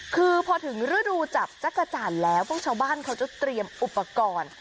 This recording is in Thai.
คือพอถึงฤดูจับจักรจันทร์แล้วพวกชาวบ้านเขาจะเตรียมอุปกรณ์